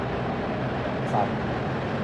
Цар